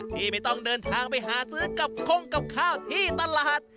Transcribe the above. ที่ไม่ต้องเดินทางไปหาซื้อกับคงกับข้าวที่ตลาด